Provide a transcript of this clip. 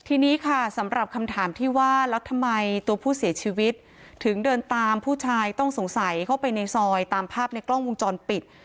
ทีนี้ค่ะสำหรับคำถามที่ว่าแล้วทำไมตัวผู้เสียชีวิตถึงเดินตามผู้ชายต้องสงสัยเข้าไปในซอยตามภาพในกล้องวงจรปิด